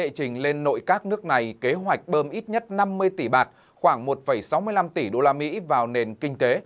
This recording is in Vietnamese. trình lên nội các nước này kế hoạch bơm ít nhất năm mươi tỷ bạt khoảng một sáu mươi năm tỷ usd vào nền kinh tế